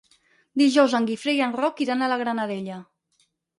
Dijous en Guifré i en Roc iran a la Granadella.